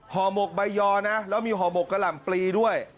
หมกใบยอนะแล้วมีห่อหมกกะหล่ำปลีด้วย